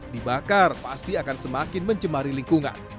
dibakar pasti akan semakin mencemari lingkungan